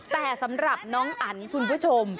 แต่สำหรับน้องอันคุณผู้ชม